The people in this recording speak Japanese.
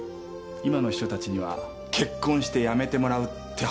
今の秘書たちには結婚して辞めてもらうって発言は。